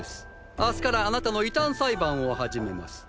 明日からあなたの異端裁判を始めます。